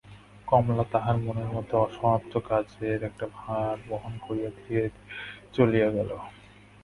কমলা তাহার মনের মধ্যে অসমাপ্ত কাজের একটা ভার বহন করিয়া ধীরে ধীরে চলিয়া গেল।